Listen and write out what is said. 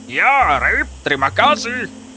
ya rip terima kasih